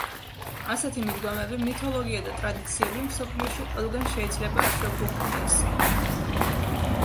ასეთი მიდგომები, მითოლოგია და ტრადიციები მსოფლიოში ყველგან შეიძლება შეგვხვდეს.